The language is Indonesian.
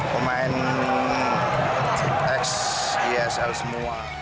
pemain xisl semua